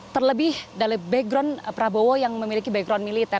terlebih dari background prabowo yang memiliki background militer